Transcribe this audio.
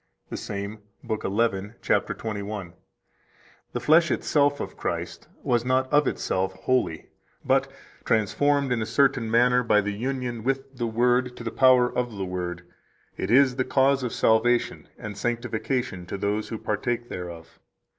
126 The same, lib. 11, cap. 21 (p. 552): "The flesh itself of Christ was not of itself holy, but, transformed in a certain manner by union with the Word to the power of the Word, it is the cause of salvation and sanctification to those who partake thereof.